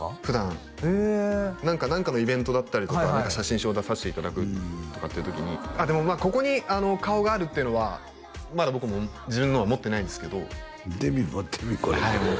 普段へえ何かのイベントだったりとか写真集を出させていただくとかっていう時にでもまあここに顔があるっていうのはまだ僕も自分のは持ってないんですけど見てみい持ってみい